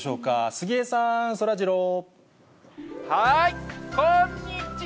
杉江さん、そらジロー。